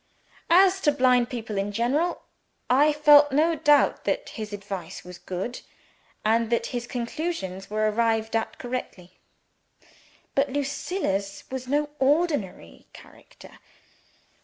As to blind people in general, I felt no doubt that his advice was good, and that his conclusions were arrived at correctly. But Lucilla's was no ordinary character.